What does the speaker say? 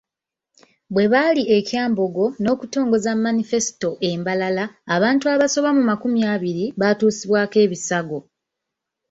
Bwe baali e Kyambogo n'okutongoza Manifesito e Mbarara, abantu abasoba mu makumi abiri baatuusibwako ebisago.